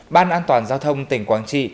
ban an toàn giao thông tỉnh quảng trị